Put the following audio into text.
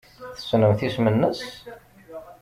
Tessnemt isem-nnes?